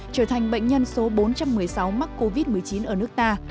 trở thành bệnh nhân số bốn trăm một mươi sáu mắc covid một mươi chín ở nước ta